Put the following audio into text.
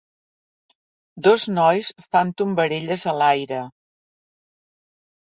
Dos nois fan tombarelles a l'aire.